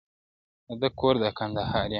د ده کور د کندهاريانو.